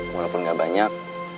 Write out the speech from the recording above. walaupun gak banyak